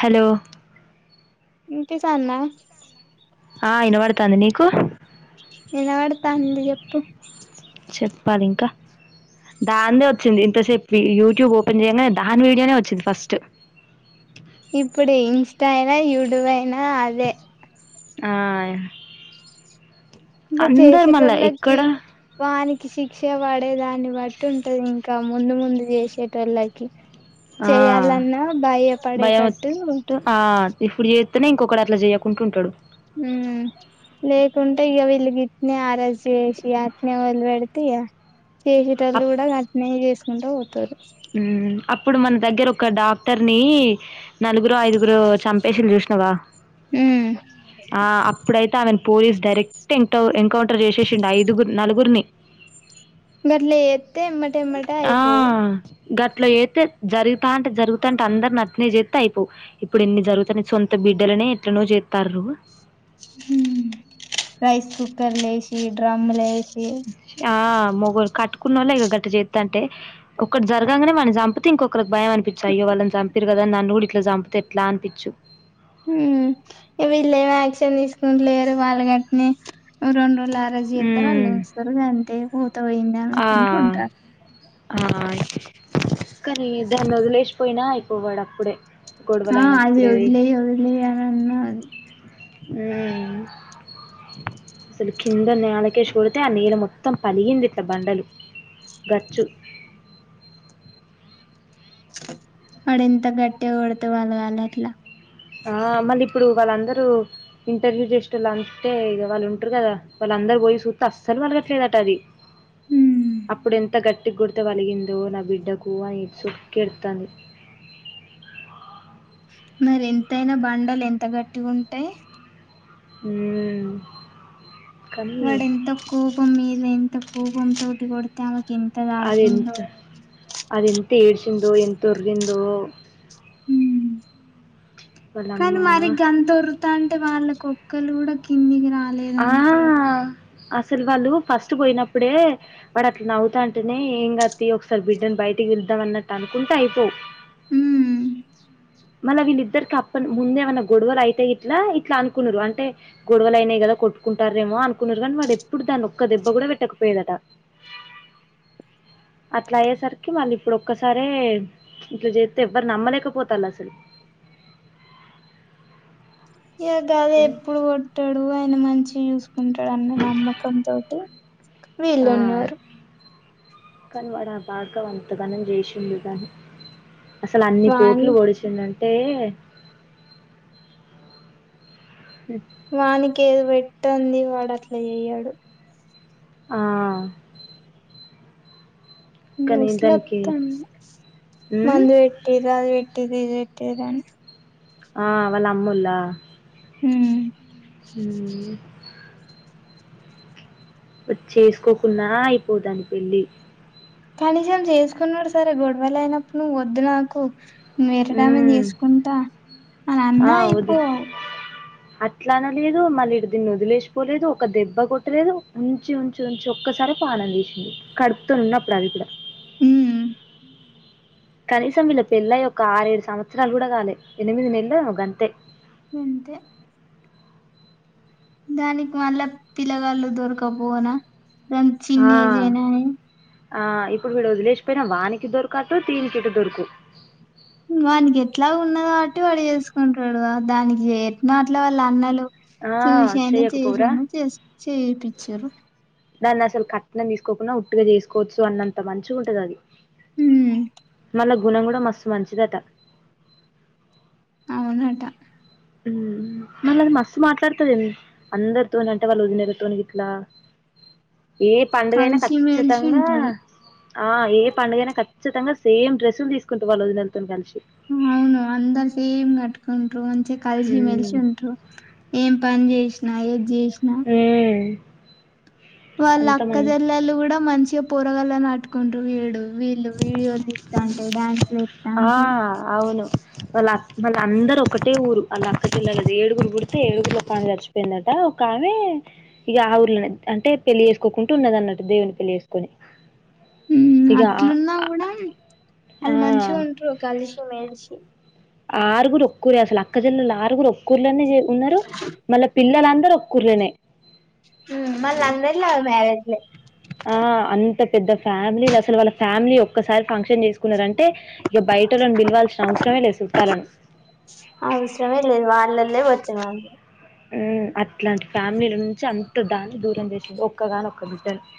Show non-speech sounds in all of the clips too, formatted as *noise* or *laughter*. Hollow ఇంటి కాన్న ఆహ్ ఇన పడ్తంది నీకు నినబడ్తంది చెప్పు చెప్పాలి ఇంకా దానిదే వచ్చింది ఇంతసేపు యూట్యూబ్ ఓపెన్ చేయంగానే దానీ వీడియోనే వచ్చి ఫస్ట్ ఇప్పుడు ఇన్స్టా ఐన యూట్యూబ్ ఐనా అదే అయ్ ఇంగ చేసేట్టోళ్లకి వాని శిక్ష పడే దాన్ని బట్టి ఉంటదికా ముందు ముందు చేసేటోళ్ళకి ఆ చెయాలన్న బ భయం అహ్ ఇప్పుడు జేత్తనే ఇంకొకడు అట్లా చేయకుంట ఉంటాడు ఉమ్ లేకుంటే ఇగ వీళ్ళు ఇట్నే అరస్ చేసి అట్ట్నే వొదిల్ బెడ్తే ఇగ చేసేటోళ్లు అప్- కూడా గట్నే చేసుకుంటూ పోతారు ఉమ్ అప్పుడు మన దగ్గర ఒక డాక్టర్ నీ నలుగురో ఐదుగురో చంపి పేషల్ జుష్నవా ఉమ్ ఆహ్ అప్పుడైతే ఆమెను పోలీస్ డైరెక్ట్ ఎన్కౌంటర్ జేషేషిండు ఐదుగుర్ నలుగురిని గట్లే ఎత్తే ఎమ్మట ఎమ్మట ఆ! అయిపోవు గట్ల ఎత్తే జరుగుతంటే జరుగుతంటే అందరు నాట్నే జెత్తే ఇపోవ్ ఇప్పుడు ఇన్ని జరుగుతనే సొంత బిడ్డలనే ఎట్లనో జెత్తారు ఉమ్ హు రైస్ కుక్కర్ ఏసి డ్రమ్ ఏసి యా మొగుళ్ కట్టుకునోలే ఇగ గట్ట జెత్తంటే ఒకటి జర్గంగానే వన్నీ సంపుతే ఇంకొక భయం అనిపించు అయో వాళ్ళని చంపిరు కదా నన్ను గూడా ఇట్లా చంపితే ఎట్లా అనిపించు ఉమ్ ఇగ వీల్ ఏం యాక్షన్ తీసుకుంట్ లేరు వాల్ గట్ట్నే రెండు లారాజీ జెత్తరు హ్మ్. అల్లుంచుతారు గంతే పూత పోయింది అని అనుకుంటరు ఉంటారు అయ్ కాని దాన్ని వదిలేసిపోయినా అయిపో వాడ్ అప్పుడే ఆహ్ అది గొడవలైనప్పుడే. వదిలే వదిలే అని అన్న ఉమ్ అసలు కింద నేలకేసి కోడితే ఆ నీళ్ళ మొత్తం పలిగింది ఇట్లా బండలు గచ్చు వాడు ఎంత గట్టటి కొడితే వాళ్ళ వాళ అట్లా ఆ మళ్ళీ ఇప్పుడు వాళ్ళందరూ ఇంటర్వ్యూ చేస్ వాళ్ళ అంటే ఇ వాళ్లు ఉంటారు కదా వాళ్లు అందరు పోయి చూస్తూ అస్సలు పరగట్లేదట అది హ్మ్ అప్పుడెంత గట్టి గుడత వలిగిందో నా బిడ్డకు అని సుక్కెడతంది ఆ మరి ఎంతయినా బండలు ఎంత గట్టిగా ఉంటాయి ఉమ్ వాడ ఎంత కూపం మీద ఎంత కూపం తోటి కొడతే ఆ అది ఎంత అది ఎంత ఏడ్చిందో ఎంత ఉరిగిందో హ్మ్ వాళ్ళమ్మ కానీ మరి గంతొరుతా అంటే వాళ్ళ కుక్కలు కూడా కిందికి రా ఆ లేదంటే అసలు వాళ్ళు ఫస్ట్ పోయినప్పుడే వాడు అట్లా నవ్వుతా అంటేనే ఏం గతి ఒకసారి బిడ్డని బయట బయటికి విద్దాం అన్నట్టు అనుకుంటే అయిపోవు హు మళ్ళా వీళ్ళిద్దరికి అప్ప ముందేమన్నా గొడవలు అయితేయి ఇట్లా ఇట్లా అనుకున్నారు అంటే గొడవలు అయినాయి కదా కొట్టుకుంటారేమో అనుకున్నారు కానీ వాడు ఎప్పుడు దాన్ని ఒక్క దెబ్బ కూడా పెట్టకపోయాదట *inaudible* అట్లా అయ్యేసరికి మళ్ళీ ఇప్పుడు ఒక్కసారే ఇట్లా చేస్త ఎవ్వరు నమ్మలేకపోతారు *inaudible* ఇ కాద కానీ ఎప్పుడు కొట్టాడు ఆయన మంచి చూసుకుంటాడున్న నమ్మకం తోటి వీళున్నారు కానీవాడ ఆ భాడకవ్ అంత గానం చేసిడుగాని అసలు అన్ని వాని పోట్లు పోడిచిందంటే వానికి ఏది పెట్టంది వాడు అట్లా చెయ్యాడు ఆ కానీ న్యూస్ లొ దానికి మొత్తం ఉమ్, మందు పెట్ది అది పెట్ది ఇదిట్ దని ఆ వాళ్ల అమ్మోలా ఉమ్ వ చేసుకోకున్నా అయిపోదాని పెళ్ళి కనీసం చేసుకున్నాడు సరే గొడవలు అయినప్పుడు నువ్వు వద్దు నాకు వేరేదాన్ని ఉమ్. చేసుకుంటా అని అన్న ఆ వది అయిపోవు అట్లా అన లేదు మళ్ళీ ఇ దీన్ని వదిలేసిపోలేదు ఒక దెబ్బ కొట్టలేదు ఉంచి ఉంచి ఉంచి ఒక్క కడుపు ఆగం చేసిండు కడుపుతూ ఉన్నప్పుడు ఆదిగూడ హ్మ్మ్ కనీసం వీళ్ళ పెళ్ళయ ఒక ఆరేడు సంవత్సరాలు కూడా కాలే ఎనిమిది నెలలు ఒక గంతే అంతే దానికి మళ్ళా పిల్లగాలు దొరకపోనా రం ఆ చిన్నిజనాయి ఆ ఇప్పుడు వీడు వదిలేసిపోయినా వానికి దొరకాతు దీనికి ఇట దొరుకు వానికి ఎట్లా ఉన్నదో కాబట్టి వాడు చేసుకుంటడుా దానికి ఎట్న అట్లా వాళ్ళు అన్నలు ఆ చూశాను చేయకపోరా చేసాను చే చేప్పిచారు దాన్ని అసలు కట్నం తీసుకోకుండా ఉట్టుగా చేసుకోవచ్చు అన్నంత మంచిగా ఉంటది అది హ్మ్మ్ వాళ్ళ గుణం కూడా మస్తు మంచిదట అవునటా మళ్ళ అది మస్తు మాట్లాడుతుంది అందరితో అంటే వాళ్ళు ఒదినలతో ఇట్లా ఏ పండుగైనా కలిసి మెలిసి ఖచ్చితంగా ఉంటారు ఆ ఏ పడుగైనా ఖచ్చితంగా సేమ్ డ్రస్సులు తీసుకుంటే వాళ్ళు వదినలతో కలిసి అవును అందరి సెమ్ కట్టుకుంట్రు మంచిగా కలిసి ఉమ్ మెలిసి ఉంట్రు ఏం పని చేసినా ఏది జెసిన ఉమ్ వాళ్ళ అంత అక్క మంది చెల్లలు కూడా మంచిగా పోరగాల నటుకుంటు చూడు వీళ్ళు వీడియోస్ తీస్తాంటే అంటే డ్యాన్స్లు ఆ వేస్తాంటే అవును వాళ్ళ అ వాళ్ళ అందరు ఒకటే ఊరు వాళ్ళ అక్కచెల్లెలేది ఏడుగురు పుడితే ఏడుగురు లొ ఒకఆమె చచ్చిపోయిందట కానీ ఇక ఆ ఊర్లని అంటే పెళ్లి చేేసుకోకుంటూ ఉన్నద అన్నట్టు దేవుని పెళ్లి చేేసుకొని ఇగ న్నా కూడా వాళ్ళు మంచిగా ఉంటారు కలిసి మెలిసి ఆరుగురు ఒక్కూరే అసలు అక్కజెల్లలు ఆరుగురు ఒక్కూరులోనే ఉన్నారు మళ్ళీ పిల్లలంత రొక్కూర్లేనే మళ్ళ అందర్లా మ్యారేజ్లే ఆ అంత పెద్ద ఫ్యామిలీలు అసలు వాళ్ళ ఫ్యామిలీ ఒక్కసారి ఫంక్షన్ చేసుకున్నారంటే టే ఇక బయటలను పిలవాల్సిన అవసరమే లే చుట్టాలను అవసరమే లేదు వాళ్ళల్లో వచ్చిన వాళ్ళు అట్లాంటి ఫ్యామిలీల నుంచి అంత దాన్ని దూరం చేసింది ఒక్కగాని ఒక్క బిడ్డని *inaudible*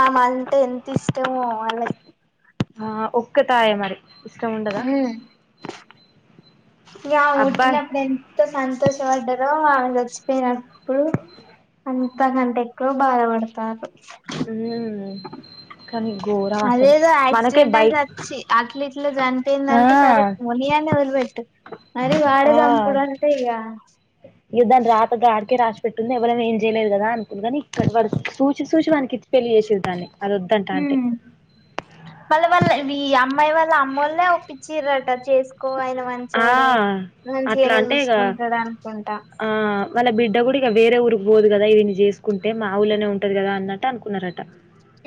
ఆ మంటే ఎంత ఇష్టమో వాళ్ళకి ఆ ఒక్క తాయే మరి ఇష్టం ఉండదా ఇ అబ్బాయి ఉఊటిినప్పుడు ఎంత సంతోష వాడ్డారు చచ్చపోయినప్పుడు అంతకంట ఎక్కువ బాధపడతారు కానీ గోరా అదేదో యాక్సిడెంట్ అయిసి వచ్చి అట్లీట్ లో ఆ! చనిపోయిందంటే సరే పోనియన్ని వదిలిపెట్టు మరి వాడే ఆ చంపుడు అంటే ఇగ ఎద్దని రాతగాడి కే రాష్ పెట్టింది ఎవరైనా ఏం చేయలేదు గదా అనుకుంది కాని ఇక్కడ వాడు చూసి చూసి వానికి పెళ్లి చేసిండ్రు దాన్ని అదొద్దంటా అంటే. ఉమ్ మళ్ళీ వాళ్ళ ఈ అమ్మాయి వాళ్ళ అమ్మ వాళ్లే ఓపిచ్చి రా అట చేసుకో ఆయన ఆ! మంచోడే అట్లా మంచిగానే అంటే ఇగ చూసుకుంటాడు అనుకుంటా ఆ! వాళ్ళ బిడ్డ కూడా ఇక వేరే ఊరికి పోదు కదా ఈడి న్ని చేసుకుంటే మా ఊలోనే ఉంటది కదా అన్నట్టు అనుకున్నారట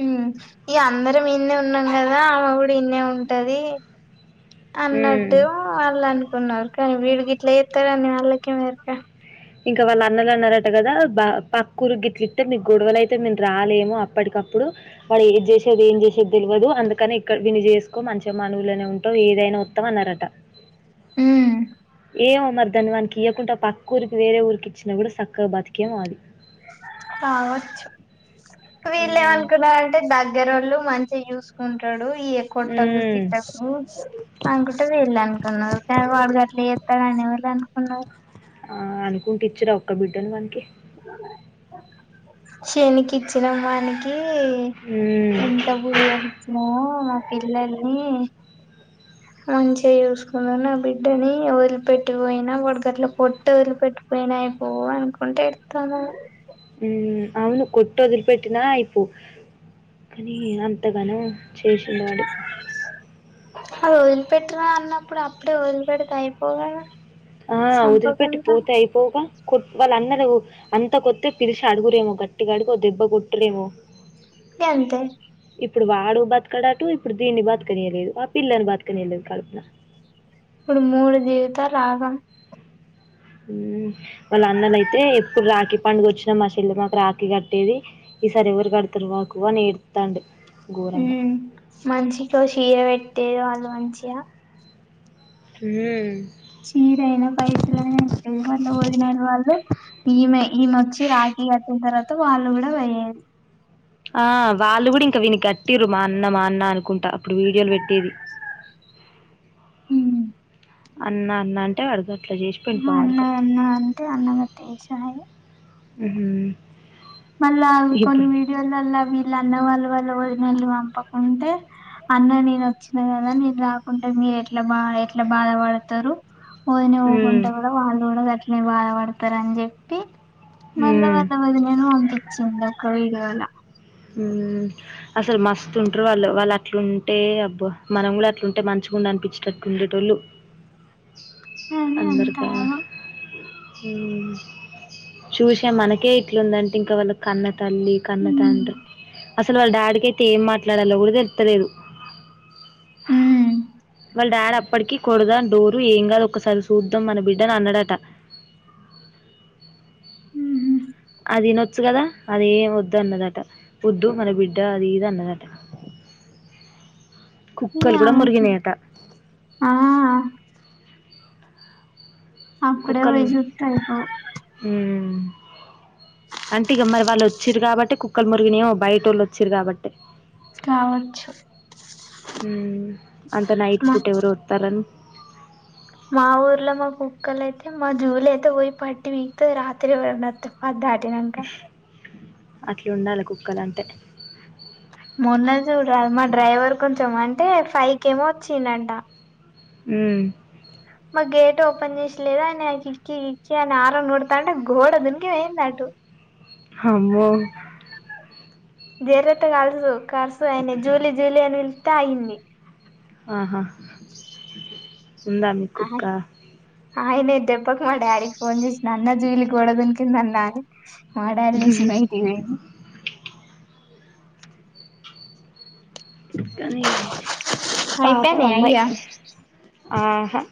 ఉమ్ ఈ అందరం ఇన్నే ఉన్నాం కదా ఆమె కూడా ఇన్ ఏ ఉంటది హ్మ్. అన్నట్టు వాళ్ళు అనుకున్నారు కానీ వీడికి ఇట్లా ఎత్తరని వాళ్ళకేమేరుక ఇంకా వాళ్ళ అన్నలు అన్నారట కదా బ పకురు గిట్లుతే మీకు గొడవల అయితే మేము రాలేమో అప్పటికప్పుడు ఇప్పుడు వాడు ఏది చేసేది ఏం చేసేది తెలియదు అందుకని ఇక్కడ విని చేసుకో మంచిగా మానవులనే ఉంటావు ఏదైనా నేను ఉత్తమ్ అన్నారట ఉమ్ ఏం అమర్థాన్ని వానికి ఇయ్యకుంటె పక్క ఊరికి వేరే ఊరికి ఇచ్చిన కూడా చక్కగా బతికేం అది కావచ్చు వీళ్ళు హ్మ్. ఏమనుకున్నారంటే దగ్గరోళ్ళు మంచి చూసుకుంటాడు య కొట్టకు హ్మ్. తిట్టకు అనుకుంటే వీళ్ అనుకున్నారు కాని వాడు గట్లా కుంటారని ఎవరు అనుకున్నారు ఆ అనుకుంట ఇచ్చురా ఒక్క బిడ్డను వానికి శనికిచ్చినమానికి హ్మ్. ఎంత బురు వానిచ్చినామో మా పిల్లల్ని మంచిగా చూసుకుంద నా బిడ్డని వదిలిపెట్టిపోయిన వాడి గట్ల కొట్టి వదిలిపెటిపోయి నేనై పోవ అనుకుంట ఎడుతన్న ఉమ్ అవును కొట్ వదిలి పెట్టినా అయిపో కాని అంతగానో చేసిన వాడు అది వదిలిపెట్టినా అన్నప్పుడు అప్పుడే వదిలిపెడితే అయిపోగాద ఆ వదిలిపెట్టి పోతే అయిపోగా కు వాళ్ళ అన్న వు అంత కొత్తే పిలిసి అడుగురేమో గట్టిగా అడుగు దెబ్బ కొట్టరేమో గంతే ఇప్పుడు వాడు బతకడాటు ఇప్పుడు దీన్ని బతకనియలేదు ఆ పిల్లని బతకనియలేదు కల్పన ఇప్పుడు మూడు జీవితాలు ఆగం వాళ్ళు అందర అయితే ఎప్పుడు రాఖీ పండుగ వచ్చినా మా చెల్లి మాకు రాఖీ కట్టేది ఈ సారి ఎవరుకడుతరు వాకు అని ఏడుత్తండు ఉ మంచికో చీర పెట్టే వాళ్ళు మంచిగా ఉమ్మ్ చీరయినా పైసలనా వళ వోదినోళ్ళు వాళ్ళు ఈమె ఈమె వచ్చి రా కీ కట్టిన తర్వాత వాళ్ళు కూడా పోయేది ఆ వాళ్ళు కూడా ఇంకా వీనికి కట్టిరు మా అన్న మా అన్న అనుకుంటా అప్పుడు వీడియోలు పెట్టేది అన్నా అన్న అంటే పెడతార్ అన్నయ అన్నాయ అంటె అన్న అట చేసి వాయె ఉంహు మళ్ళా కొన్ని వీడియోలు అల్ల ఇల అన్న వాళ్ళు వాళ్ళు వదిని పంపకుంటే అన్న నేను వచ్చిన కదా నేను రాకుంటే ఎట్లా బా ఎట్లా బాధ పడతారు వదిని హ్మ్. ఊకుంటే కూడా వాళ్ళు కూడా అట్నే బాధపడతారు అని చెప్పి మళ్ళ హ్మ్. మళ్ల వది నను పంపించిందిక్క వీళ్ళ వల్ల అసలు మస్తుంటారు వాళ్ళు వాళ్ళు అట్లుంటే అబ్బో మనం కూడా అట్లుంటే మంచిగా ఉండ అనిపించేటట్టు ఉండే టోళ్ళు అని అంటా ఓ ఉమ్ చూసే మనకే ఇట్లుందంటే ఇంకా వాళ్ళ కన్న తల్లి కన్న ఉమ్ తండ్రి అసలు వాళ్ళ డాడ్ కి అయితే ఏం మాట్లాడాలో కూడా తెలత్తలేదు ఉమ్ వాళ్ళ డాడ్ అప్పటికి కొడదాం డోరు ఏం కాదు ఒకసారి చూద్దాం మన బిడ్డని అన్నడట ఆ ఉహు అది ఇనొచ్చు కదా అది ఏమి వద్దు అన్నదట వద్దు మన బిడ్డ అది ఇది అన్నదట ఇగ కుక్కలు కూడా ఆమెకి మోరిగినయట ఆ అప్పుడే కుక్కల్ పోయి చూత్తే అయిపోవు ఉమ్ అంటే ఇక మరి వాళ్ళు వచ్చిరు కాబట్టి కుక్కల మురిగుని ఏమో బయట వాళ్ళు వచ్చిరు కాబట్టి కావచ్చు ఉమ్ అంత నైట్ మా పుట్ ఎవరు వతారని మా ఊర్లో మా కుక్కలు అయితే మా జూలు అయితే పోయి పట్టి వీకుతది రాత్రి ఎవరైనా వత్తే అద్ధాటినాంక అట్లా ఉండాలి కుక్కలు అంటే మొన్న చూడాలి మా డ్రైవర్ కొంచం అంటే పైకేమో వచ్చిండంట ఉమ్ గేట్ ఓపెన్ చేసలేదా అని క ఇక్కి ఇక్కి అని ఆరన్ కొడతా అంటే గోడ దుంకి పోయింది అటు హమ్మో *unintelligible* ఆగదు కర్సు అయన జూలీ జూలీ అని పిలిత్తే ఆగింది ఆహా ఉందా మీ కుక్క ఆయన దెబ్బకు మా డాడీ కి ఫోన్ చేసి అన్న జీలి గోడ దుంకిందన్న మా డాడీ లేసి బైటికి పోయిండు కానీ పాపం అయిపోయినయా అమ్మాయి అయ్యా ఆహా